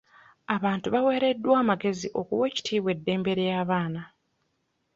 Abantu baaweereddwa amagezi okuwa ekitiibwa eddembe ly'abaana.